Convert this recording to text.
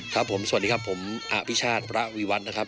ครับผมสวัสดีครับผมอภิชาติพระวีวัฒน์นะครับ